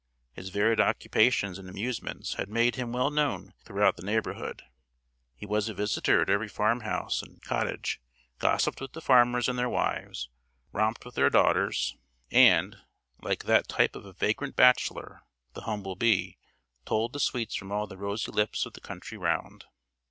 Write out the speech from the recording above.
His varied occupations and amusements had made him well known throughout the neighbourhood. He was a visitor at every farm house and cottage; gossiped with the farmers and their wives; romped with their daughters; and, like that type of a vagrant bachelor, the humble bee, tolled the sweets from all the rosy lips of the country round.